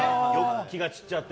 気が散っちゃって。